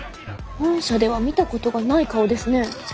本社では見たことがない顔ですね。